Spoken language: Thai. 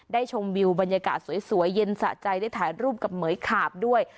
ชมวิวบรรยากาศสวยเย็นสะใจได้ถ่ายรูปกับเหมือยขาบด้วย